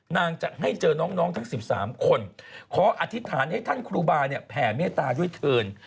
จะให้เจอน้องทั้ง๑๓คนขออธิษฐานให้ท่านครูบาเนี่ยแผ่เมตตาด้วยเถิน